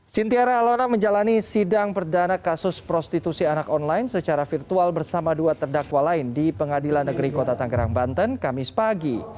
sintiara alona menjalani sidang perdana kasus prostitusi anak online secara virtual bersama dua terdakwa lain di pengadilan negeri kota tanggerang banten kamis pagi